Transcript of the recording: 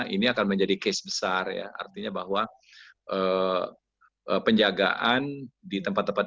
ini akan menjadi case besar ya artinya bahwa penjagaan di tempat tempat